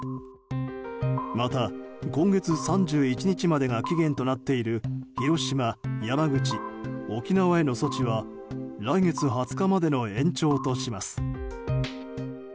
また、今月３１日までが期限となっている広島、山口、沖縄への措置は来月２０日までの延長とします。